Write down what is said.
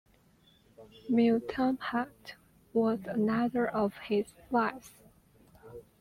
Mutemhat was another of his wives.